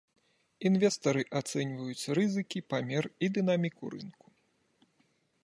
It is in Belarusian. Інвестары ацэньваюць рызыкі, памер і дынаміку рынку.